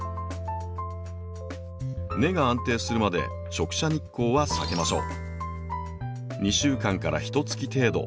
根が安定するまで直射日光は避けましょう。